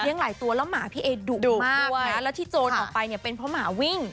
หลายตัวแล้วหมาพี่เอดุด้วยนะแล้วที่โจรออกไปเนี่ยเป็นเพราะหมาวิ่ง